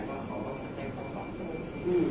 แต่ว่าไม่มีปรากฏว่าถ้าเกิดคนให้ยาที่๓๑